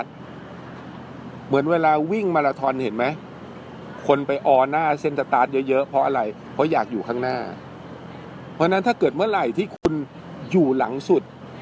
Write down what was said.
เพราะฉะนั้นถ้าเกิดเมื่อไหร่ที่คุณอยู่หลังสุด